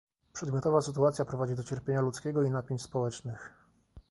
Przedmiotowa sytuacja prowadzi do cierpienia ludzkiego i napięć społecznych